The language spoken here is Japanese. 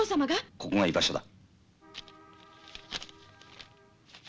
ここが居場所だ。